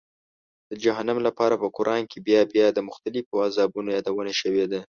د جهنم لپاره په قرآن کې بیا بیا د مختلفو عذابونو یادونه شوې ده.